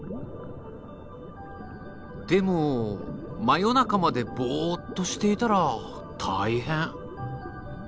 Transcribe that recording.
でも真夜中までボーッとしていたら大変。